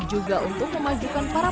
juga untuk memajukan para